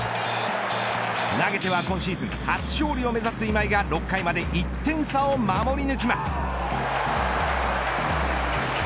投げては今シーズン初勝利を目指す今井が６回まで１点差を守り抜きます。